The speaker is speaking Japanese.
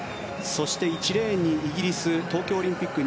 そして１レーンにイギリス東京オリンピック２００